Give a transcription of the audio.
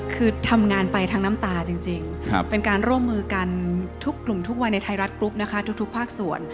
คือทำงานไปทั้งน้ำตาจริงเป็นการร่วมมือกันทุกกลุ่มทุกวัยในไทยรัฐกรุ๊ปนะคะทุกภาคส่วน